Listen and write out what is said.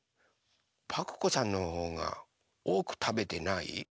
パクこさんのほうがおおくたべてない？